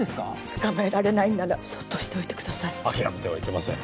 捕まえられないならそっとしておいてください。諦めてはいけません。